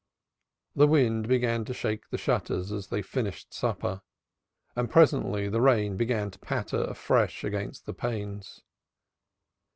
The wind began to shake the shutters as they finished supper and presently the rain began to patter afresh against the panes.